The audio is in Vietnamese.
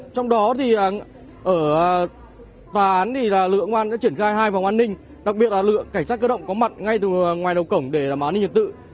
trong đó tòa án lưu lượng công an triển khai hai vòng an ninh đặc biệt là lưu lượng cảnh sát cơ động có mặt ngay từ ngoài đầu cổng để làm an ninh nhân tự